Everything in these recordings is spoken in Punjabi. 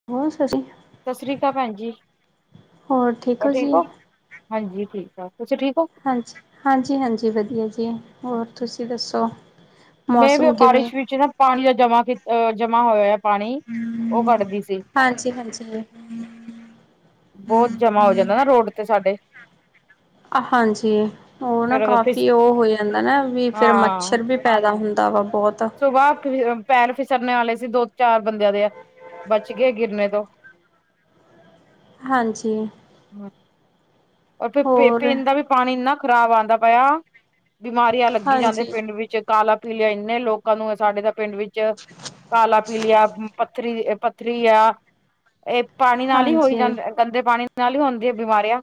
[unintelligible] ਸਸ੍ਰੀ ਕਾਲ ਭੈਨ ਜੀ, ਹੋਰ ਠੀਕ ਓ ਹਾਂਜੀ ਠੀਕ-ਠਾਕ ਤੁਸੀ ਠੀਕ ਓ? ਹਾਂਜੀ, ਹਾਂਜੀ-ਹਾਂਜੀ ਵਦੀਆ ਜੀ ਹੋਰ ਤੁਸੀਂ ਦੱਸੋ? ਮੇ ਵੀ ਮੌਸਮ ਓ ਕਿਵੇਂ ਬਾਰਿਸ਼ ਵਿੱਚ ਨਾ ਪਾਨੀ,, ਬਬਬਬ ਦਾ ਜਮਾ ਦਾ ਜਮਾ ਕਿੱਤਾ ਓ ਜਮਾ ਹੋਇਆ ਪਾਣੀ, ਓ ਕਾਡਦੀ ਸੀ। ਹਾਂਜੀ ਹਾਂਜੀ ਬੋਤ ਜਮਾਂ ਹੋ ਜਾਂਦਾ ਨਾ ਰੋੜ ਤੇ ਸਾਡੇ। ਹਾਂਜੀ, ਓ ਨਾ ਫਿਰ ਫਿਸ ਕਾਫੀ ਓ ਹੋ ਜਾਂਦਾ ਨਾ ਵੀ ਫੇਰ ਮੱਛਰ ਵੀ ਪੈਦਾ ਹੁੰਦਾ ਵਾ ਬੋਤ। ਓਸ ਤੋਂ ਬਾਦ ਫਿਰ ਪੈਰ ਫਿਸਰਨੇ ਵਾਲੇ ਸੀ, ਦੋ-ਚਾਰ ਬੰਦੇਆਂ ਦੇ ਬੱਚ ਗਏ ਗਿਰਨੇ ਤੋ। ਹਾਂਜੀ। [inaudible] ਓ ਫਿਰ ਪਿ ਹੋਰ ਪੀਨ ਦਾ ਵੀ ਪਾਣੀ ਇੰਨਾ ਖ਼ਰਾਬ ਆਂਦਾ ਪਯਾ, ਬਿਮਾਰੀਆਂ ਲੱਗੀ ਜਾਂਦੇ ਹਾਂਜੀ ਪਿੰਡ ਵਿੱਚ। ਕਾਲਾ ਪੀਲੀਆ ਇੱਨੇ ਲੋਕਾਂ ਨੂੰ ਆ ਸਾਡੇ ਤਾ ਪਿੰਡ ਵਿੱਚ, ਕਾਲਾ ਪੀਲੀਆ ਪਥ ਥਰੀ ਪੱਥਰੀ ਆ, ਏ ਪਾਣੀ ਨਾਲ ਈ ਹੋਈ ਹਾਂਜੀ ਜਾਂਦਾ ਗੰਦੇ ਪਾਣੀ ਨਾਲ ਹੀ ਹੋਂਦੀਆਂ ਨੇ ਬੀਮਾਰੀਆਂ।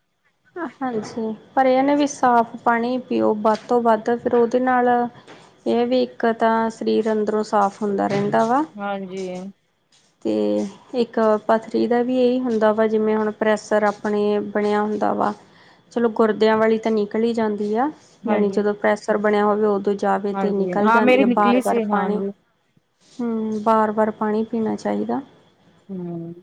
ਹਾਂਜੀ, ਪਰ ਏ ਆ ਨਾ ਵੀ ਸਾਫ਼ ਪਾਣੀ ਪੀਓ, ਬਾੱਦ ਤੋਂ ਬਾੱਦ ਫੇਰ ਓਦੇ ਨਾਲ਼ ਏ ਆ ਵੀ ਇੱਕ ਤਾਂ, ਸਰੀਰ ਅੰਦਰੋਂ ਸਾਫ਼ ਹੁੰਦਾ ਰੈਂਦਾ ਵਾ ਹਾਂਜੀ ਤੇ, ਇੱਕ ਪੱਥਰੀ ਦਾ ਵੀ ਏਈ ਹੁੰਦਾ ਵਾ ਜਿਵੇਂ ਹੁਣ ਪ੍ਰੈਸਰ ਆਪਣੇ ਬਣੇਆ ਹੁੰ ਵਾ, ਚਲੋ ਗੋਰਦੇਆਂ ਵਾਲੀ ਤਾਂ ਨਿਕਲੀ਼ ਜਾਂਦੀ ਆ ਜਾਣੀ ਹਾਂਜੀ ਜਦੋਂ ਪ੍ਰੈਸ ਪ੍ਰੇਸਰ ਬਣੇਆ ਹੋਵੇ ਓਦੋਂ ਜਾਵੇ ਤੇ ਹਾਂਜੀ ਨਿਕਲ਼ ਹਾਂ ਜਾਂਦੀ ਮੇਰੀ ਆ ਨਿਕਲੀ ਬਾਰ, ਵਾਰ ਸੀ ਪਾਣੀ ਹਾਂਜੀ ਹੂੰ, ਬਾਰ-ਬਾਰ ਪਾਣੀ ਪੀਣਾ ਚਾਈਦਾ। ਹੂੰ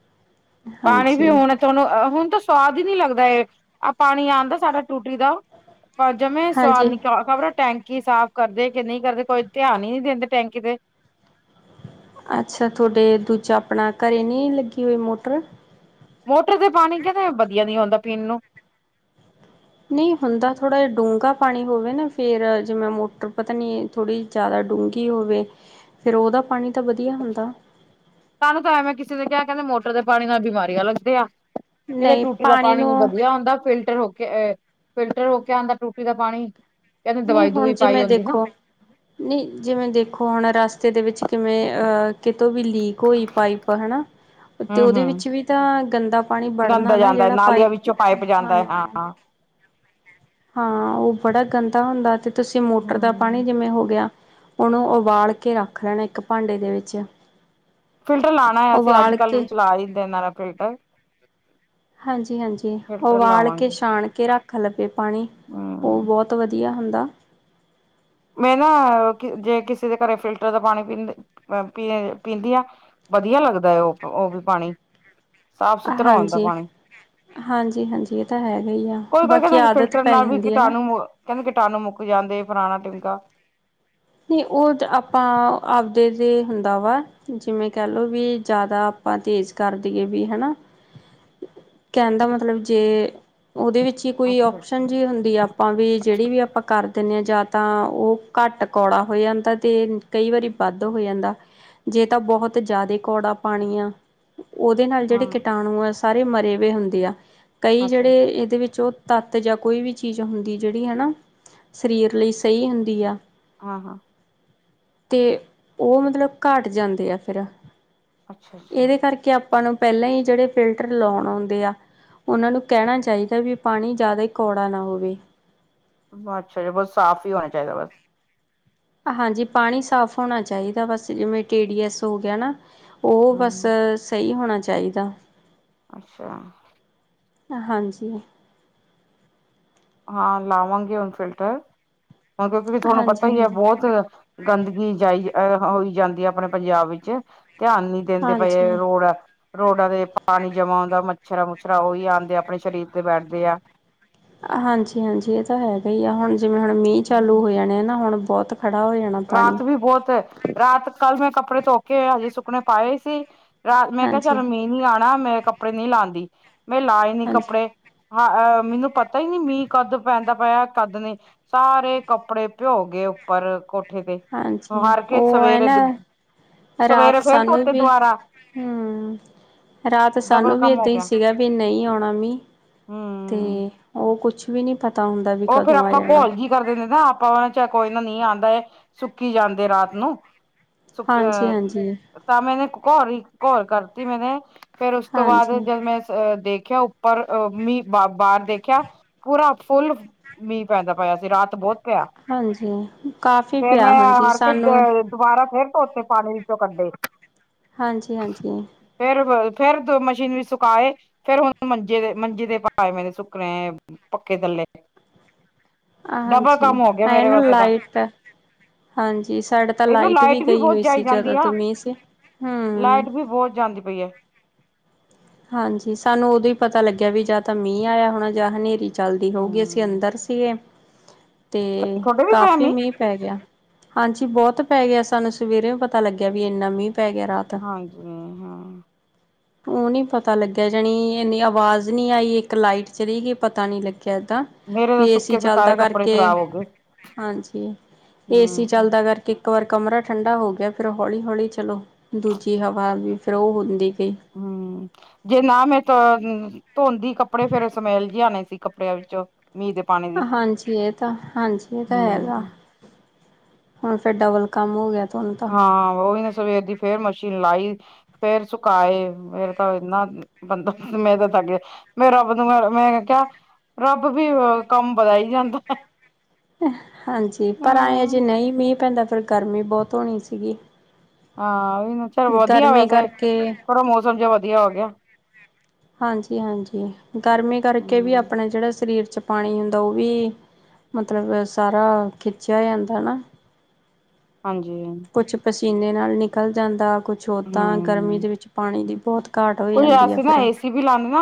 ਪਾਣੀ ਵੀ ਹਾਂਜੀ ਹੋਣ ਅ ਹੁਨ ਤਾਂ ਸਵਾਦ ਈ ਨੀ ਲੱਗਦਾ ਏ, ਆ ਪਾਣੀ ਆਂਂਦਾ ਸਾਡਾ ਟੂਟੀ ਦਾ ਪਰ ਜਮੈ ਸਾਫ ਹਾਂਜੀ ਨਿਕਾ, ਖਬਰਾ ਟੈਂਕੀ ਸਾਫ਼ ਕਰਦੇ ਕੇ ਨਈ ਕਰਦੇ ਕੋਈ ਧੇਆਨ ਈ ਨੀ ਦੇਂਦੇ ਟੈਂਕੀ ਤੇ। ਅੱਛਾ, ਥੋਡੇ ਦੂਜਾ ਆਪਣਾ ਘਰੇ ਨੀ ਲੱਗੀ ਹੋਈ ਮੋਟਰ? ਮੋਟਰ ਤੇ ਪਾਨੀ ਕੈਂਦੇ ਬਦੀਆ ਨੀ ਹੋਂਦਾ ਪੀਨ ਨੂੰ। ਨਈ ਹੁੰਦਾ ਥੋੜਾ ਜਾ ਡੂੰਗਾ ਪਾਣੀ ਹੋਵੇ ਨਾ ਫੇਰ, ਜੀਮੇ ਮੋਟਰ ਪਤਾ ਨੀ ਥੋੜੀ ਜਾਦਾ ਡੂੰਗੀ ਹੋਵੇ, ਫੇਰ ਓਦਾ ਪਾਣੀ ਤਾਂ ਵਦੀਆ ਹੂੰਦਾ। ਸਾਨੂੰ ਤਾਂ ਐਵੇਂ ਕਿਸੇ ਨੇ ਕੇਆ ਕੈਂਦੇ ਮੋਟਰ ਦੇ ਪਾਣੀ ਨਾਲ ਬਿਮਾਰੇਆਂ ਲੱਗਦੇ ਆ। ਕੈਂਦੇ ਨਹੀਂ ਟੂਟੀ ਦਾ ਪਾਣੀ ਨੂੰ ਬਦੀਆ ਹੁੰਦਾ ਫਿਲਟਰ ਹੋ ਕੇ ਏ ਫਿਲਟਰ ਹੋ ਕੇ ਆਂਦਾ ਟੂਟੀ ਦਾ ਪਾਣੀ ਕਹਿੰਦੇ ਨੀ ਦਵਾਈ ਹੁਨ ਦੂਈ ਪਾਈ ਜਿਵੇਂ ਹੁੰਦੀ ਨਾ ਦੇਖੋ ਨੀ ਜਿਵੇਂ ਦੇਖੋ ਹੋਣ ਰਾਸਤੇ ਦੇ ਵਿੱਚ ਕਿਵੇਂ ਅ ਕਿਤੋਂ ਵੀ ਲੀਕ ਹੋਈ ਪਾਈਪ ਹਣਾ, ਤੇ ਓਦੇ ਹੂੰ-ਹੂੰ ਵਿੱਚ ਵੀ ਤਾਂ ਗੰਦਾ ਪਾਣੀ ਬਾੜਨਾ ਗੰਦਾ ਨਾ ਜਾਂਦਾ ਜੇੜਾ ਨਾਲੀਆਂ ਪਾਈਪ ਵਿੱਚੋਂ ਹਂ ਜਾਂਦਾ ਹੈ ਹਾਂ। ਹਾਂ, ਓ ਬੜਾ ਗੰਦਾ ਹੁੰਦਾ ਤੇ ਤੁਸੀਂ ਮੋਟਰ ਦਾ ਪਾਣੀ ਹੂੰ ਜਿਵੇਂ ਹੋ ਗੇਆ ਓਣੂ ਉਬਾਲ਼ ਕੇ ਰੱਖ ਲੈਣਾ ਇੱਕ ਭਾਂਡੇ ਦੇ ਵਿੱਚ ਫਿਲਟਰ ਲਾਣਾ ਆ ਅਸੀ ਉਬਾਲ ਅੱਜ-ਕੱਲ ਕੇ ਵਿੱਚ, ਲਾਈ ਦੇਨਾ ਇਨਾਂ ਦਾ ਫਿਲਟਰ। ਹਾਂਜੀ-ਹਾਂਜੀ, ਫਿਲਟਰ ਉਬਾਲ਼ ਕੇ ਲਾਵਾਂਗੇ ਸਾ਼ਣ ਕੇ ਰਾੱਖ ਲੱਵੇ ਪਾਣੀ ਓ ਹੂੰ ਬੋਤ ਤ ਵਦੀਆ ਹੁੰਦਾ। ਮੈਂ ਨਾ, ਕੀ ਜੇ ਕਿਸੇ ਦੇ ਘਰੇ ਫਿਲਟਰ ਦਾ ਪਾਣੀ ਪੀਂ ਅ ਪੀ ਅ ਪੀਂਦੀ ਆ। ਬਧੀਆ ਲੱਗਦਾ ਏ ਓ ਪ ਓ ਬੀ ਪਾਣੀ, ਸਾਫ-ਸੁਥਰਾ ਹੋਂਦਾ ਪਾਣੀ। ਹਾਂਜੀ -ਹਾਂਜੀ, ਇਹ ਤਾਂ ਹੈਗਾ ਹੀ ਆ, ਕੋਈ-ਕੋਈ ਬਾਕੀ ਕਹਿੰਦਾ ਆਦਤ ਫਿਲਟਰ ਪੈ ਨਾਲ ਵੀ ਜਾਂਦੀ ਹੈ, ਨਾ। ਕੀਟਾਣੂ ਕਹਿੰਦੇ, ਕੀਟਾਣੂ ਮੁੱਕ ਜਾਂਦੇ, ਪੁਰਾਣਾ ਠਿੰਮਕਾ। ਨਹੀਂ, ਉਹ ਤੇ ਆਪਾਂ, ਆਪਦੇ ਤੇ ਹੁੰਦਾ ਵਾ ਜਿਵੇਂ, ਕਹਿ ਲਉ, ਵੀ ਜ਼ਿਆਦਾ ਆਪਾਂ ਤੇਜ਼ ਕਰ ਦੇਈਏ ਵੀ, ਹਨਾਂ। ਕਹਿਣ ਦਾ, ਮਤਲਬ ਜੇ ਉਹਦੇ ਵਿੱਚ ਕਿ, ਕੋਈ ਅੱਛਾ ਓਪਸ਼ਨ ਜਿਹੀ ਹੁੰਦੀ, ਆਪਾਂ ਵੀ ਜਿਹੜੀ ਵੀ ਆਪਾਂ ਕਰ ਦਿੰਦੇ ਹਾਂ, ਜਾਂ ਤਾਂ ਉਹ ਘੱਟ ਕੌੜਾ ਹੋ ਜਾਂਦਾ ਤੇ, ਕਈ ਵਾਰੀ ਵੱਧ ਹੋ ਜਾਂਦਾ। ਜੇ ਤਾਂ, ਬਹੁਤ ਜ਼ਿਆਦਾ ਕੌੜਾ ਪਾਣੀ ਆ ਉਹਦੇ ਨਾਲ, ਜਿਹੜੇ ਹਾਂ ਕੀਟਾਣੂ ਆ, ਸਾਰੇ ਮਰੇ ਵੇ ਹੋਏ ਹੁੰਦੇ ਆ। ਕਈ ਅੱਛਾ ਜਿਹੜੇ ਇਹਦੇ ਵਿੱਚ ਉਹ ਤੱਤ, ਜਾਂ ਕੋਈ ਵੀ ਚੀਜ਼ ਹੁੰਦੀ, ਜਿਹੜੀ ਹੈ ਨਾ, ਸਰੀਰ ਲਈ ਸਹੀ ਹੁੰਦੀ ਆ। ਹਾਂ-ਹਾਂ ਤੇ, ਉਹ ਮਤਲਬ ਘੱਟ ਜਾਂਦੇ ਆ ਫਿਰ, ਅੱਛਾ-ਅੱਛਾ ਇਹਦੇ ਕਰਕੇ ਆਪ ਆਪਾਂ ਨੂੰ ਪਹਿਲਾਂ ਹੀ, ਜਿਹੜੇ ਫਿਲਟਰ ਲਾਉਣ ਆਉਂਦੇ ਆ ਉਹਨਾਂ ਨੂੰ, ਕਹਿਣਾ ਚਾਹੀਦਾ ਵੀ, ਪਾਣੀ ਜ਼ਿਆਦਾ ਹੀ ਕੌੜਾ ਨਾ ਹੋਵੇ। [unintelligible] ਸਾਫ਼ ਹੀ ਹੋਣਾ ਚਾਹੀਦਾ ਬਸ। ਹਾਂਜੀ, ਪਾਣੀ ਸਾਫ਼ ਹੋਣਾ ਚਾਹੀਦਾ ਬਸ, ਜਿਵੇਂ ਟੀ-ਡੀ -ਐਸ ਹੋ ਗਿਆ ਨਾ। ਉਹ, ਬਸ ਹੂੰ ਸਹੀ ਹੋਣਾ ਚਾਹੀਦਾ। ਅੱਛਾ ਹਾਂਜੀ। ਹਾਂ, ਲਾਵਾਂਗੇ ਹੁਣ ਫਿਲਟਰ ਹੁਣ, ਕਿਉਂਕਿ ਵੀ ਤੁਹਾਨੂੰ ਪਤਾ ਹਾਂਜੀ ਹਾਂਜੀ ਹੀ ਹੈ ਬਹੁਤ ਗੰਦਗੀ ਜਾਈ, ਅ-ਹ-ਹੋਈ ਜਾਂਦੀ ਹੈ, ਆਪਣੇ ਪੰਜਾਬ ਵਿੱਚ। ਧਿਆਨ ਨੀ ਦਿੰਦੇ, ਪਏ ਹਾਂਜੀ ਰੋਡ ਹੈ। ਰੋਡਾਂ ਤੇ ਪਾਣੀ ਜਮਾ ਹੁੰਦਾ, ਮੱਛਰਾਂ-ਮੁੱਛਰਾਂ ਉਹੀ ਆਉਂਦੇ ਆ, ਆਪਣੇ ਸਰੀਰ ਤੇ ਬੈਠਦੇ ਆ। ਹਾਂਜੀ-ਹਾਂਜੀ, ਇਹ ਤਾਂ ਹੈਗਾ ਹੀ ਆ, ਹੁਣ ਜਿਵੇਂ ਹੁਣ ਮੀਂਹ ਚਾਲੂ ਹੋ ਜਾਣੇ ਆ ਨਾ, ਹੁਣ ਬਹੁਤ ਖੜਾ ਹੋ ਜਾਣਾ ਪਾਣੀ ਰਾਤ ਵੀ ਬਹੁਤ, ਰਾਤ ਕੱਲ ਮੈਂ ਕੱਪੜੇ ਧੋ ਕੇ ਹਜੇ ਸੁੱਕਣੇ ਪਾਏ ਸੀ। ਰਾ, ਮੈਂ ਕਿਹਾ ਹਾਂਜੀ ਚੱਲ ਮੀਂਹ ਨੀ ਆਉਣਾ, ਮੈਂ ਕੱਪੜੇ ਨੀ ਲਾਉਂਦੀ, ਮੈਂ ਲਾਏ ਨੀ, ਹਾਂਜੀ ਕੱਪੜੇ ਹਾਂ, ਅਹ ਮੈਨੂੰ ਪਤਾ ਹੀ ਨਹੀਂ, ਮੀਂਹ ਕਦ ਪੈਂਦਾ ਪਿਆ, ਕਦ ਨਹੀਂ। ਸਾਰੇ, ਕੱਪੜੇ ਭਿਉ ਗਏ ਉੱਪਰ ਕੋਠੇ ਤੇ। ਹਾਂਜੀ, ਹਾਰ ਕੇ ਉਹ ਹੈ ਸਵੇਰੇ ਨਾ ਸਵੇਰੇ ਰਾਤ, ਫੇਰ ਸਾਨੂੰ ਧੋਤੇ ਵੀ, ਦੁਬਾਰਾ ਹਮਮ ਰਾਤ, ਡਬਲ ਸਾਨੂੰ ਵੀ ਕੰਮ ਹੋ ਏਦਾਂ ਹੀ, ਗਿਆ ਸੀਗਾ ਵੀ ਨਹੀਂ ਆਉਣਾ ਮੀਂਹ, ਤੇ ਹਮ ਉਹ, ਕੁਛ ਵੀ ਨਹੀਂ ਪਤਾ ਹੁੰਦਾ, ਵੀ ਉਹ ਫੇਰ ਕਦੋਂ ਆ ਆਪਾਂ ਜਾਣਾ। ਘੋਲ ਜੀ ਕਰ ਦਿੰਦੇ ਦੇ ਨਾ, ਆਪਾਂ ਉਹਨਾਂ ਚ ਕੋਈ ਨਾ ਨੀ ਆਉਂਦਾ ਹੈ। ਸੁੱਕੀ ਜਾਂਦੇ ਰਾਤ ਨੂੰ। ਹਾਂਜੀ-ਹਾਂਜੀ, ਸੁ-ਕ-ਅਹ ਤਾਂ ਮੈਨੇ, ਘੋਰ ਹੀ ਘੋਰ ਕਰਤੀ ਮੈਨੇ ਫੇਰ, ਉਸ ਤੋਂ ਬਾਅਦ ਜਦ ਹਾਂਜੀ-ਹਾਂਜੀ ਮੈਂ ਅ ਦੇਖਿਆ, ਉੱਪਰ ਅ-ਮੀਂਹ, ਬ-ਬਾਹਰ ਦੇਖਿਆ, ਪੂਰਾ ਫੁੱਲ ਮੀਂਹ ਪੈਂਦਾ ਪਾਇਆ ਸੀ, ਰਾਤ ਬਹੁਤ ਪਿਆ। ਕਾਫ਼ੀ ਫੇਰ ਪਿਆ ਮੈਂ ਹਾਂਜੀ ਹਾਰ ਕੇ ਸਾਨੂੰ ਦੁਬਾਰਾ ਫੇਰ ਧੋਤੇ, ਪਾਣੀ ਵਿੱਚੋਂ ਕੱਢੇ। ਹਾਂਜੀ-ਹਾਂਜੀ ਫੇਰ, ਫੇਰ ਦ ਮਸ਼ੀਨ ਵਿਚ ਸੁਕਾਏ। ਫੇਰ, ਹੁਣ ਮੰਜੇ ਤੇ, ਮੰਜੇ ਤੇ ਪਾਏ ਹੋਏ ਨੇ, ਸੁੱਕਣੇ ਪੱਖੇ ਥੱਲੇ। ਡਬਲ ਹਾਂਜੀ, ਕੰਮ ਹੋ ਗਿਆ ਆਈ ਮੇਰੇ ਨੀ ਵਾਸਤੇ ਤਾਂ ਲਾਈਟ? ਹਾਂਜੀ, ਸਾਡੇ ਤਾਂ ਦੇਖੋ ਲਾਈਟ ਵੀ, ਗਈ ਬਹੁਤ ਹੋਈ ਸੀ, ਜਾਈ ਜਦੋਂ ਜਾਂਦੀ ਤੋਂ ਆ ਮੀਂਹ ਸੀ। ਹੂੰ ਲਾਈਟ, ਵੀ ਬਹੁਤ ਜਾਂਦੀ ਪਈ ਏ। ਹਾਂਜੀ, ਸਾਨੂੰ ਉਦੋਂ ਹੀ ਪਤਾ ਲੱਗਿਆ ਵੀ, ਜਾਂ ਤਾਂ ਮੀਂਹ ਆਇਆ, ਹੋਣਾ ਜਾਂ ਹਨੇਰੀ। ਚਲਦੀ ਹੋਊਗੀ, ਅਸੀਂ ਹਮ ਅੰਦਰ ਸੀਗੇ ਤੇ ਤੁਹਾਡੇ ਵੀ ਪਿਆ ਕਾਫੀ ਮੀਂਹ ਪੈ ਗਿਆ। ਹਾਂਜੀ ਬਹੁਤ ਪੈ ਗਿਆ, ਸਾਨੂੰ ਸਵੇਰੇ ਪਤਾ ਲੱਗਿਆ ਵੀ, ਇੰਨਾ ਮੀਂਹ ਪੈ ਗਿਆ। ਰਾਤ। ਹਾਂਜੀ, ਹਾਂ। ਉਹ ਨੀ ਪਤਾ ਲੱਗਿਆ, ਜਾਣੀ ਇੰਨੀ ਆਵਾਜ਼ ਨਹੀਂ ਆਈ। ਇੱਕ ਲਾਈਟ ਚਲੀ ਗਈ। ਪਤਾ ਨਹੀਂ ਲੱਗਿਆ ਇਦਾਂ ਮੇਰੇ ਵੀ ਤਾਂ ਏਸੀ ਸੁੱਕੇ ਸੁਕਾਏ ਚੱਲਦਾ ਕੱਪੜੇ ਕਰਕੇ, ਖ਼ਰਾਬ ਹੋ ਗਏ ਹਾਂਜੀ ਏਸੀ ਹੂੰ ਚੱਲਦਾ ਕਰ ਕਿ ਇੱਕ ਵਾਰ ਕਮਰਾ ਠੰਡਾ ਹੋ ਗਿਆ, ਫੇਰ ਹੌਲੀ-ਹੌਲੀ ਚਲੋ ਦੂਜੀ ਹਵਾ ਵੀ ਫਿਰ ਔ ਹੁੰਦੀ ਗਈ। ਹੂੰ ਜੇ ਨਾ ਮੈਂ ਧ ਮ ਧੋਂਦੀ ਕੱਪੜੇ ਫੇਰ ਸਮੈਲ ਜੀ ਆਨੀ ਸੀ ਕੱਪੜਿਆਂ ਵਿੱਚੋਂ, ਮੀਂਹ ਦੇ ਪਾਣੀ ਦੀ ਹਾਂਜੀ ਏ ਤਾਂ, ਹਾਂਜੀ ਏ ਤਾਂ ਹੈਗਾ। ਹੂੰ ਹੁਣ ਫੇਰ ਡਬਲ ਕੰਮ ਹੋ ਗਿਆ ਤੁਆਨੂੰ ਹਾਂ ਔਈ ਨਾ, ਸਵੇਰ ਦੀ ਫੇਰ ਮਸ਼ੀਨ ਲਾਈ, ਫੇਰ ਸੁਕਾਏ, ਫੇਰ ਤਾਂ ਏਨਾ ਬੰਦਾ ਮੈਂ ਤਾਂ ਥਕ ਗਯਾ, ਮੈਂ ਰੱਬ ਨੂੰ ਮੈਂ, ਮੈਂ ਕਿਆ ਰੱਬ ਵੀ ਅ ਕੰਮ ਵਦਾਈ ਜਾਂਦੈ। ਹਾਂਜੀ ਪਰ ਐਏਂ ਅਜੇ ਨਈ ਮੀਂ ਪੈਂਦਾ ਫਿਰ ਗਰਮੀ ਬੋਤ ਹੋਣੀ ਸੀਗੀ। ਹਾਂ [unintelligible] 'ਚ ਵਧੀਆ ਗਰਮੀ ਵੈਸੇ, ਕਰਕੇ ਥੋੜਾ ਮੌਸਮ ਜਿਹਾ ਵਧੀਆ ਹੋ ਗਿਆ। ਹਾਂਜੀ-ਹਾਂਜੀ ਗਰਮੀ ਕਰਕੇ ਵੀ ਹੂੰ ਅਪਨੇ ਜੜਾ ਸਰੀਰ 'ਚ ਪਾਣੀ ਹੁੰਦਾ ਔ ਵੀ ਮਤਲਬ ਸਾਰਾ ਖਿੱਚਿਆ ਜਾਂਦਾ ਨਾ। ਹਾਂਜੀ। ਕੁਛ ਪਸੀਨੇ ਨਾਲ ਨਿਕਲ ਜਾਂਦਾ, ਕੁਛ ਔਦਾਂ ਗਰਮੀ ਦੇ ਵਿੱਚ ਪਾਣੀ ਦੀ ਬੋਤ ਕੁਝ ਅਸੀ ਨਾ ਏਸੀ ਵੀ ਲਾਂਦ ਨਾ,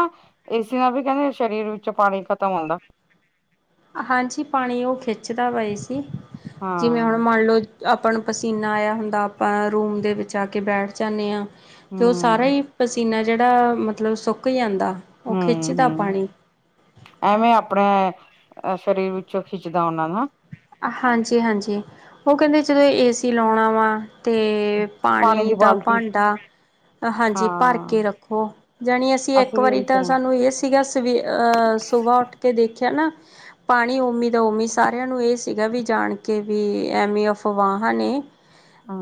ਏਸੀ ਨਾਲ ਵੀ ਕੈਂਦੇ ਸਰੀਰ ਵਿੱਚੋਂ ਪਾਣੀ ਖਤਮ ਹੋਂਦਾ। ਹਾਂਜੀ ਪਾਣੀ ਔ ਖਿੱਚਦਾ ਵਾ ਏਸੀ, ਹਾਂ ਜਿਵੇਂ ਹੁਣ ਮੰਨ ਲੋ ਆਪਾਂ ਨੂੰ ਪਸੀਨਾ ਆਇਆ ਹੁੰਦਾ, ਆਪਾਂ ਰੂਮ ਦੇ ਵਿੱਚ ਆ ਕੇ ਬੈਠ ਜਾਂਨੇ ਆਂ ਤੇ ਔ ਸਾਰਾ ਹਮ ਈ ਪਸੀਨਾ ਜੇੜਾ ਮਤਲਬ ਸੋਕ ਜਾਂਦਾ। ਉਹ ਹੂੰ-ਹੂੰ। ਖਿੱਚਦਾ ਪਾਣੀ ਐਵੇਂ ਆਪਣੇ ਅ ਸਰੀਰ ਵਿੱਚੋਂ ਖਿੱਚਦਾ ਔਨਾਂ ਨੂੰ, ਹਾਂ। ਹਾਂਜੀ-ਹਾਂਜੀ ਔ ਕੈਂਦੇ ਚਲੋ ਏਸੀ ਲੌਣਾ ਵਾ ਤੇ ਪਾਣੀ ਦੀ ਦਾ ਬਾਲਟੀ ਭਾਂਡਾ ਹਾਂਜੀ ਹਾਂ ਭਰ ਕੇ ਰੱਖੋ। ਜਾਣੀ ਅਸੀਂ ਇੱਕ ਵੀ ਵਾਰੀ ਇਹੀ ਤਾਂ ਕਰਾਂ ਸਾਨੂੰ ਏਸੀ ਸੀਗਾ ਸਵੇ ਅ ਸੁਬਹ ਉੱਠ ਕੇ ਦੇਖਿਆ ਨਾ ਪਾਣੀ ਔਮੀ ਦਾ ਔਮੀ, ਸਾਰਿਆਂ ਨੂੰ ਏ ਸੀ ਗਾ ਵੀ ਜਾਣ ਕੇ ਵੀ ਐਵੇਂ ਅਫਵਾਹਾਂ ਨੇ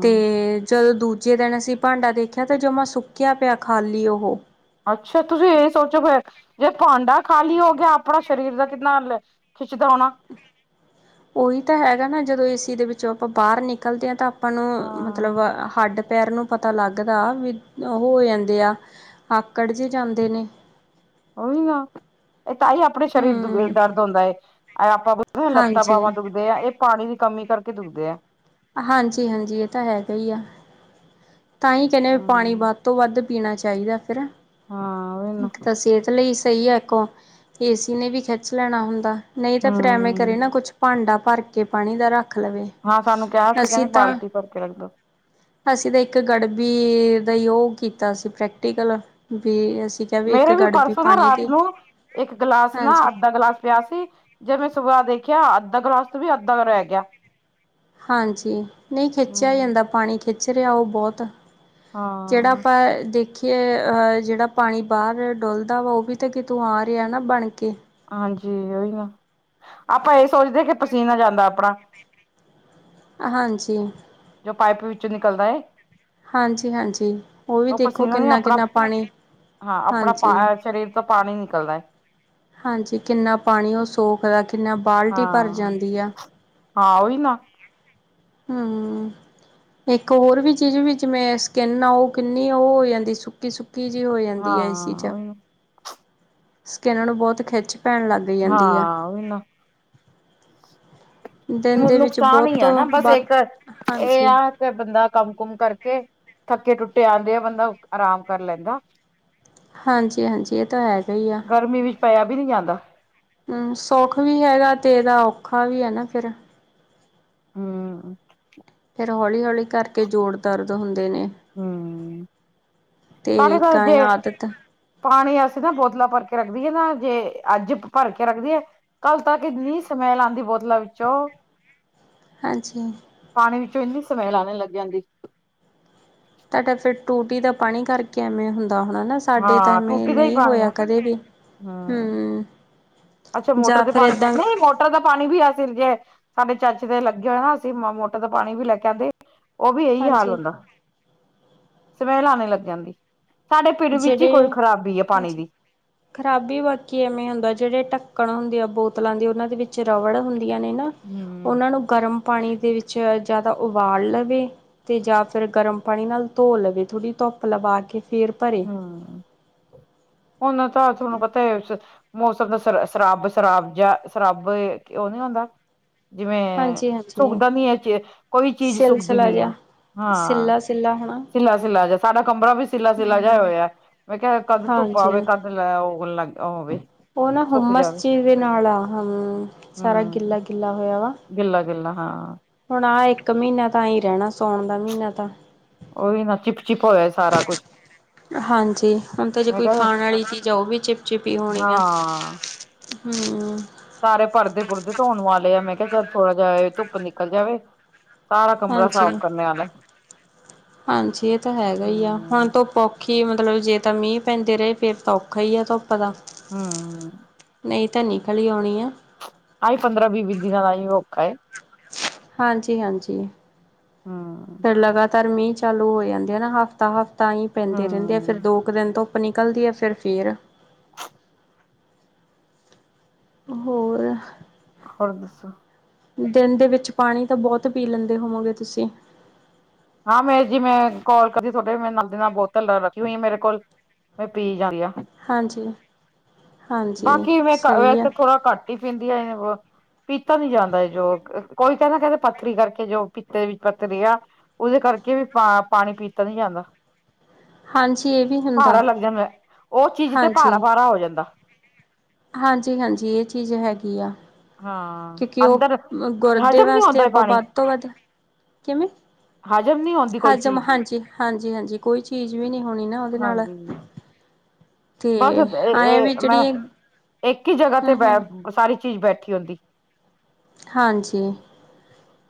ਤੇ ਜਦੋਂ ਦੂਜੇ ਦਿਨ ਅਸੀਂ ਭਾਂਡਾ ਦੇਖਿਆ ਤਾਂ ਜਮਾ ਸੁੱਕਿਆ ਪਿਆ ਖਾਲੀ ਔਹ ਅੱਛਾ ਤੁਸੀ ਏ ਸੋਚੋ ਫਿਰ ਜੇ ਭਾਂਡਾ ਖਾਲੀ ਹੋ ਗਿਆ ਆਪਣਾ ਸਰੀਰ ਦਾ ਕਿੰਨਾ ਅਲ ਖਿੱਚਦਾ ਹੋਣਾ। ਔਹੀ ਤਾਂ ਹੈਗਾ ਨਾ ਜਦੋਂ ਏਸੀ ਦੇ ਵਿੱਚੋਂ ਆਪਾਂ ਬਾਹਰ ਨਿਕਲਦੇ ਹਾਂ ਤਾਂ ਆਪਾਂ ਨੂੰ ਮਤਲਬ ਹਾਂ ਹੱਡ ਪੈਰ ਨੂੰ ਪਤਾ ਲੱਗਦਾ ਵੀ ਔਹ ਹੋ ਜਾਂਦੇ ਆ, ਆਕੜ ਜੇ ਜਾਂਦੇ ਨੇ। ਔਹੀ ਨਾ, ਅ ਤਾਂ ਈ ਆਪਣੇ ਸਰੀਰ ਦੁ ਹਮ ਦਰਦ ਹੁੰਦਾ ਏ। ਆਯ ਆਪਾਂ ਲੱਤਾਂ ਹਾਂਜੀ ਬਾਵਾਂ ਤੋਂ ਦੁਖਦੇ ਆ, ਏ ਪਾਣੀ ਦੀ ਕਮੀ ਕਰਕੇ ਦੁਖਦੇ ਆ। ਹਾਂਜੀ-ਹਾਂਜੀ, ਏ ਤਾਂ ਹੈਗਾ ਈ ਆ। ਤਾਂ ਈ ਕੈਂਦੇ ਨੇ ਪਾਣੀ ਹਮ ਵੱਧ ਤੋਂ ਵੱਧ ਪੀਣਾ ਚਾਈਦੈ ਫਿਰ ਹਾਂ। ਉਹੀ ਨਾ ਇੱਕ ਤਾਂ ਸੇਤ ਲਈ ਸਈ ਐ, ਇੱਕ ਔ ਏਸੀ ਨੇ ਵੀ ਖਿੱਚ ਲੈਣਾ ਹੁੰਦੈ। ਨਈ ਤਾਂ ਫਿਰ ਐਵੇਂ ਕਰੇ ਹਮ ਨਾ ਕੁਛ ਭਾਂਡਾ ਭਰ ਕੇ ਪਾਣੀ ਦਾ ਰੱ ਖ ਲਵੇ। ਹਾਂ ਸਾਨੂੰ ਕਿਹਾ ਸੀ ਅਸੀਂ ਕਹਿੰਦੇ ਤਾਂ ਬਾਲਟੀ ਭਰ ਕੇ ਰੱਖ ਦੋ ਅਸੀ ਤਾਂ ਇੱਕ ਗੜਬੀ ਦਾ ਈ ਯੋ ਕੀਤਾ ਸੀ ਪ੍ਰੈਕਟੀਕਲ ਬੀ ਅ ਮੇਰੇ ਵੀ ਪਰਸੋਂ ਨਾ ਰਾਤ ਨੂੰ ਇੱਕ ਗਿਲਾਸ ਨਾ, ਹਾਂਜੀ ਅੱਧਾ ਗਿਲਾਸ ਪਿਆ ਸੀ ਜਦ ਮੈਂ ਸੁਬਾਹ ਦੇਖਿਆ ਅੱਧਾ ਗਲਾਸ ਤੋਂ ਵੀ ਅੱਧਾ ਕ ਰਹਿ ਗਿਆ। ਹਾਂਜੀ ਨਈ ਖਿੱਚਿਆ ਹਮ ਜਾਂਦਾ ਪਾਣੀ, ਖਿੱਚ ਰਿਆ ਔ ਬੋਤ। ਜੜਾ ਹਾਂ ਆਪਾਂ ਦੇਖ ਖੇ ਅ ਜੇੜਾ ਪਾਣੀ ਬਾਹਰ ਡੁਲਦਾ ਵਾ ਔਵੀ ਤਾਂ ਕਿਤੋਂ ਆ ਰਿਆ ਨਾ ਬਣ ਕੇ। ਹਾਂਜੀ ਔਈਔ, ਆਪਾਂ ਏ ਸੋਚਦੇ ਕਿ ਪਸੀਨਾ ਜਾਂਦਾ ਆਪਣਾ। ਹਾਂਜੀ। ਜੋ ਪਾਈਪ ਵਿੱਚੋਂ ਨਿਕਲਦਾ ਏ ਹਾਂਜੀ ਹਾਂਜੀ ਉਹ ਵੀ ਔ ਦੇਖੋ ਪਸੀਨਾ ਵੀ ਕਿੰਨਾ ਅਪਣਾ ਕਿੰਨਾ ਪਾਣੀ ਹਾਂ, ਅਪਣਾ ਪਾ ਹਾਂਜੀ ਅ ਸ਼ਰੀਰ ਤਾਂ ਪਾਣੀ ਨਿਕਲਦੈ। ਹਾਂਜੀ ਕਿੰਨਾ ਪਾਣੀ ਔ ਸੋਖਦੈ, ਕਿੰਨਾ ਬਾਲਟੀ ਭਰ ਹਾਂ ਜਾਂਦੀ ਆ। ਹਾਂ ਔਈ ਨਾ। ਹੂੰ। ਇੱਕ ਹੋਰ ਵੀ ਚੀਜ਼ ਵੀ ਜਿਵੇਂ ਸਕਿੰਨ ਆ ਔ ਕਿੰਨੀ ਔ ਹੋ ਜਾਂਦੀ ਸੁੱਕੀ- ਸੁੱਕ ਕੀ ਜੇ ਹੋ ਹਾਂ ਜਾਂਦੀ ਏ ਏਸੀ 'ਚ ਉਹੀ ਨਾ ਸਕੇਨ ਨੂੰ ਬੋਤ ਖਿੱਚ ਪੈਣ ਲੱਗ ਜਾਂਦੀ ਆ। ਹਾਂ ਔਈ ਨਾ। ਦਿਨ ਫੇਰ ਦੇ ਵਿੱਚ ਨੁਕਸਾਨ ਈ ਬਹੁਤ ਐ ਨਾ ਬਸ ਵਾ ਇੱਕ ਏ ਹਾਂਜੀ। ਆ ਫੇਰ ਬੰਦਾ ਕੰਮ-ਕੁਮ ਕਰਕੇ ਥੱਕੇ ਟੁੱਟੇ ਆਂਦਿਆਂ ਬੰਦਾ ਆਰਾਮ ਕਰ ਲੈਂਦਾ। ਹਾਂਜੀ-ਹਾਂਜੀ ਏ ਤਾਂ ਹੈਗਾ ਈ ਆ। ਗਰਮੀ ਵਿੱਚ ਪਾਇਆ ਵੀ ਨੀ ਜਾਂਦਾ। ਹੂੰ ਸੌਖ ਵੀ ਹੈਗਾ ਤੇ ਏਦਾ ਔਖਾ ਵੀ ਐ ਨਾ ਫੇਰ। ਹੂੰ। ਫੇਰ ਹੌਲੀ-ਹੌਲੀ ਕਰਕੇ ਜੋੜ ਦਰਦ ਹੁੰਦੇ ਨੇ। ਤੇ ਸਾਰੇ ਇੱਕ ਕਰ ਜੇ ਐ ਆਦਤ ਪਾਣੀ ਅਸੀ ਨਾ ਬੋਤਲਾਂ ਭਰ ਕੇ ਰੱਖਦੀਏ ਨਾ ਜੇ ਅੱਜ ਇੱਕ ਭਰ ਕੇ ਰੱਖਦੀਏ ਕੱਲ ਤੱਕ ਇੰਨੀ ਸਮੈਲ ਆਂਦੀ ਬੋਤਲਾਂ ਵਿੱਚੋਂ ਹਾਂਜੀ। ਪਾਣੀ ਵਿੱਚੋਂ ਇੰਨੀ ਸਮੈਲ ਆਨੇ ਲੱਗ ਜਾਂਦੀ ਤੁਆਡਾ ਫੇਰ ਟੂਟੀ ਦਾ ਪਾਣੀ ਕਰਕੇ ਐਵੇਂ ਹੁੰਦਾ ਹੋਣਾ ਨਾ ਸਾਡੇ ਤਾਂ ਹਾਂ ਐਵੇਂ ਟੂਟੀ ਦਾ ਹੀ ਨਈ ਪਾਣੀ ਆ ਹੋਇਆ ਕਦੇ ਵੀ, ਹਮ ਹੂੰ। ਅੱਛਾ ਮੋਟਰ ਜਾਂ ਦੇ ਫਿਰ ਪਾਣੀ, ਏਦਾਂ ਨਈ ਮੋ ਟਰ ਦਾ ਪਾਣੀ ਵੀ ਅਸੀ ਜੇ ਸਾਡੇ ਚਾਚੇ ਦੇ ਲੱਗੇ ਹੋਏ ਨਾ ਅਸੀ ਮ ਮੋਟਰ ਦਾ ਪਾਣੀ ਵੀ ਲੈ ਕੇ ਆਂਦੇ। ਔ ਵੀ ਐਈ ਹਾਲ ਹਾਂਜੀ ਹੁੰਦਾ। ਸਮੈਲ ਆਣੇ ਲੱਗ ਜਾਂਦੀ। ਸਾਡੇ ਪਿੰਡ ਵਿੱਚ ਈ ਕੋਈ ਖ਼ਰਾਬੀ ਐ ਪਾਣੀ ਦੀ। ਖਰਾਬੀ ਬਾਕੀ ਐਵੇਂ ਹੁੰਦਾ ਜੜੇ ਢੱਕਣ ਹੁੰਦੇ ਆ ਬੋਤਲਾਂ ਦੀ ਔਨਾਂ ਦੇ ਵਿੱਚ ਰਬੜ ਹੁੰਦੀਆਂ ਨੇ ਨਾ ਹੂੰ। ਔਨਾਂ ਨੂੰ ਗਰਮ ਪਾਣੀ ਦੇ ਵਿੱਚ ਜਾ ਤਾਂ ਉਬਾਲ ਲਵੇ ਤੇ ਜਾਂ ਫੇਰ ਗਰਮ ਪਾਣੀ ਨਾਲ ਧੋ ਲਵੇ। ਥੋੜ੍ਹੀ ਧੁੱਪ ਲਵਾ ਕੇ ਫੇਰ ਹੂੰ, ਔਨਾ ਤਾਂ ਤੁਆਨੂੰ ਪਤਾ ਐ [unintelligible] ਮੌਸਮ ਦਾ ਸ ਸਰਾਬ ਸ਼ਰਾਬ ਜਾਂ ਸਰਾਬ ਔ ਨੀ ਹੁੰਦਾ ਜਿਵੇਂ ਹਾਂਜੀ ਹਾਂਜੀ ਸੁੱਕਦਾ ਨੀ ਏ 'ਚ, ਕੋਈ ਚੀਜ਼ ਸੁੱਕਦੀ ਨੀ ਆ। ਹਾਂ। ਕਿੱਲਾ-ਸਿੱਲਾ ਹੋਣਾ। ਸਿੱਲਾ-ਸਿੱਲਾ ਜਿਆ, ਸਾਡਾ ਕਮਰਾ ਵੀ ਸਿੱਲਾ-ਸਿੱਲਾ ਜਿਆ ਹੋਇਐ। ਮੈਂ ਕਿਆ ਕਦ ਧੁਪ ਆਵੇ ਹਾਂਜੀ ਕਦ ਮਤਲਬ ਔਹ [unintelligible] ਔ ਨਾ ਹੁਣ ਮੈਂ ਇਸ ਚੀਜ਼ ਦੇ ਨਾਲ ਆ ਹੂੰ, ਸਾਰਾ ਗਿੱਲਾ-ਗਿੱਲਾ ਹੋਇਆ ਵਾ। ਗਿੱਲਾ-ਗਿੱਲਾ ਹਾਂ। ਹੁਣ ਆ ਇੱਕ ਮੀਨਾ ਤਾਂ ਐਂ ਈ ਰੈਂਨੈ ਸੋਣ ਦਾ ਮੀਨਾ ਤਾਂ ਔਈ ਨਾ ਚਿਪ-ਚਿਪ ਹੋਇਆ ਸਾਰਾ ਕੁਛ ਹਾਂਜੀ, ਹੁਣ ਤੇ ਜੇ ਮੈਂ ਕੋਈ ਕਿਹਾ ਖਾਣ ਆਲੀ ਚੀਜ਼ ਐ ਔ ਵੀ ਚਿਪ-ਚਿਪ ਈ ਹੋਣੀ ਐ। ਹਾਂ ਹੂੰ। ਸਾਰੇ ਪਰਦੇ ਪੁਰਦੇ ਧੋਣ ਵਾਲੇ ਆ, ਮੈ ਕਿਆ ਚੱਲ ਥੋੜਾ ਜਿਆ ਐ ਧੁੱਪ ਨਿਕਲ ਜਾਵੇ ਸਾਰਾ ਕਮਰਾ ਸਾਫ ਹਾਂਜੀ। ਕਰਨੇ ਆਲੈ। ਹਾਂਜੀ ਇਹ ਤਾਂ ਹੈਗਾ ਹੀ ਆ ਹੂੰ। ਹੁਣ ਧੁੱਪ ਔਖੀ ਏ ਮਤਲਬ ਜੇ ਤਾਂ ਮੀਂ ਪੈਂਦੇ ਰਏ ਫੇਰ ਤਾਂ ਔਖਾ ਈ ਆ ਧੁੱਪ ਦਾ। ਹੂੰ। ਨਈ ਤਾਂ ਨਿਕਲ ਈ ਆਉਣੀ ਐ। ਆਈ ਪੰਦਰਾਂ-ਬੀ, ਬੀ ਦਿਨਾਂ ਦਾ ਆਈਮ ਔਖਾ ਏ। ਹਾਂਜੀ, ਹਾਂਜੀ। ਹਾਂ। ਫਿਰ ਲਗਾਤਾਰ ਮੀਂਹ ਚਾਲੂ ਹੋ ਜਾਂਦੇ ਆ ਨਾ। ਹਫਤਾ-ਹਫਤਾ ਹੀ ਪੈਂਦੇ ਰਹਿੰਦੇ। ਫਿਰ ਹਮ ਦੋ ਕੁ ਦਿਨ ਧੁੱਪ ਨਿਕਲਦੀ ਹੈ। ਫਿਰ ਫੇਰ। [inaudible] ਹੋਰ। ਹੋਰ ਦੱਸੋ। ਦਿਨ ਦੇ ਵਿੱਚ ਪਾਨੀ ਤਾਂ ਬਹੁਤ ਪੀ ਲੈਂਦੇ ਹੋਵੋਂਗੇ ਤੁਸੀ। ਹਾਂ ਮੈਂ ਜਿਵੇਂ ਕੋਲ ਕਰਦੀ ਤੁਹਾਡੇ ਮੈਂ ਨਾਲ ਦੀ ਨਾਲ ਬੋਤਲ ਰੱਖੀ ਹੋਈ ਏ ਮੇਰੇ ਕੋਲ। ਮੈ ਪੀ ਜਾ ਰਹੀ ਆ, ਹਾਂਜੀ ਹਾਂਜੀ ਬਾਕੀ ਮੈ ਘਟ ਸਹੀ ਆ ਵੈਸੇ ਥੋੜਾ ਘੱਟ ਟੀਫਿਨ ਦੀਆਏ ਵੋ। ਟੀ। ਪਿੱਤਾ ਨੀ ਜਾਂਦਾ ਜੋ ਕੋਈ ਕਹਿਦਾ ਕਹਿੰਦੇ ਪੱਥਰੀ ਕਰਕੇ ਜੋ ਪਿੱਤੇ ਵਿੱਚ ਪੱਥਰੀ ਆ। ਉਹਦੇ ਕਰਕੇ ਵੀ ਪਾ ਪਾਣੀ ਪੀਤਾ ਨੀ ਜਾਂਦਾ। ਹਾਂਜੀ ਇਹ ਵੀ ਹੁੰਦਾ। ਭਾਰਾ ਲੱਗ ਜਾਂਦਾ। ਉਹ ਚੀਜ਼ ਤੇ ਹਾਂਜੀ, ਭਾਰਾ- ਭਾਰਾ ਹੋ ਜਾਂਦਾ। ਹਾਂਜੀ-ਹਾਂਜੀ ਏ ਚੀਜ ਹੈਗੀ ਆ ਹਾਂ ਕਿਉਕਿ ਅੰਦਰ ੳ ਗੁਰਦੇ ਹਜ਼ਮ ਨੀ ਵਾਸਤੇ ਹੁੰਦਾ ਆਪਾਂ ਪਾਣੀ ਵੱਧ ਤੋਂ ਵੱਧ ਕਿਂਵੇ ਹਜਮ ਨਹੀ ਹਜ਼ਮ ਹਾਂਜੀ-ਹਾਂਜੀ-ਹਾਂਜੀ ਕੋਈ ਚੀਜ਼ ਵੀ ਨੀ ਹੋਣੀ ਨਾ ੳਦੇ ਨਾਲ ਹਾਂਜੀ ਤੇ ਆ ਏ ਵੀ ਜਿਹੜੀ- ਏਕ ਹੀ ਜਗ੍ਹਾ ਤੇ ਬੈ ਹੂੰ-ਹੂੰ ਸਾਰੀ ਚੀਜ਼ ਬੈਠੀ ਹੁੰਦੀ ਹਾਂਜੀ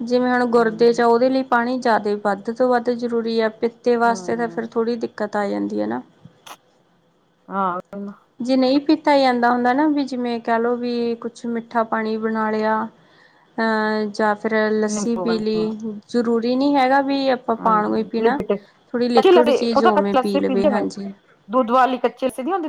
ਜਿਵੇ ਹੁਣ ਹਮ ਗੁਰਦੇ ਚ ਆ, ੳਦੇ ਲਈ ਪਾਨੀ ਜਿਆਦਾ ਈ ਵੱਧ ਵੱਧ ਤੋਂ ਵੱਧ ਜ਼ਰੂਰੀ ਆ, ਪਿੱਤੇ ਵਾਸਤੇ ਤਾਂ ਫੇਰ ਹਮ ਥੋੜ੍ਹੀ ਦਿੱਕਤ ਆ ਜਾਂਦੀ ਏ ਨਾ ਹਾਂ ਜੇ ਨਈ ਪੀਤਾ ਜਾਂਦਾ ਹੁੰਦਾ ਨਾ ਵੀ ਜਿਵੇ ਕਹ ਲੋ ਵੀ ਕੁਛ ਮਿੱਠਾ ਪਾਣੀ ਬਨਾ ਲਿਆ ਹਾ ਜਾਂ ਫਿਰ ਲੱਸੀ ਨਿੰਬੂ ਪੀ ਪਾਣੀ ਲਈ ਜ਼ਰੂਰੀ ਨੀ ਹੈਗਾ ਵੀ ਆਪਾਂ ਪਾਨੀ ਹਾਂਜੀ ਵੀ ਪੀਨਾ, ਲਿਕਟ ਥੋੜ੍ਹੀ ਕੱਚੀ ਲਿਕੁਡ ਲੱਸੀ ਚੀਜ਼ ੳਵੇਂ ਪੀ ਲੇਵੇ ਹਾਂਜੀ ਦੁਧ ਵਾਲੀ ਕੱਚੀ ਲੱਸੀ ਨੀ ਹੁੰਦੀ